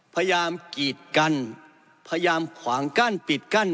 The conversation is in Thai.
พยายามกีดกันพยายามขวางกั้นปิดกั้น